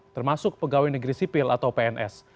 termasuk pegawai negeri sipil atau pns